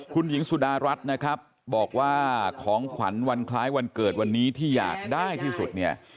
คุณหญิงสุดารัฐนะครับบอกว่าของขวัญวันคล้ายวันเกิดวันนี้ที่อยากได้ที่สุดเนี่ย